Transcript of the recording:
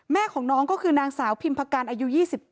แม่ของน้องก็คือนางสาวพิมพกันอายุ๒๙